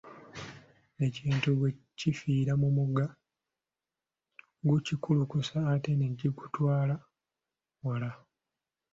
Ekintu bwe kifiira mu mugga, gukikulukusa ate ne kigutwala wala.